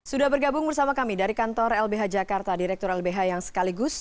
sudah bergabung bersama kami dari kantor lbh jakarta direktur lbh yang sekaligus